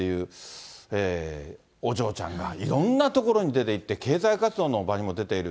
今ね、ジュエ氏っていうお嬢ちゃんが、いろんなところに出ていって、経済活動の場にも出ている。